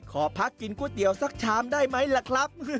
ขอพักกินก๋วยเตี๋ยวสักชามได้ไหมล่ะครับ